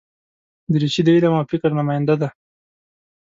دریشي د علم او فکر نماینده ده.